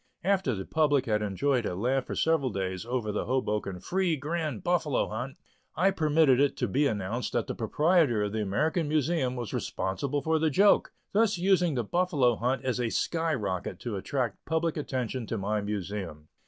After the public had enjoyed a laugh for several days over the Hoboken "Free Grand Buffalo Hunt," I permitted it to be announced that the proprietor of the American Museum was responsible for the joke, thus using the buffalo hunt as a sky rocket to attract public attention to my Museum.